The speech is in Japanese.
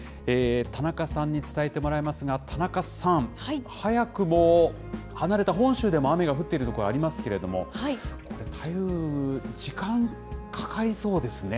田中さんに伝えてもらいますが、田中さん、早くも離れた本州でも雨が降っている所ありますけれども、これ、台風、時間かかりそうですね。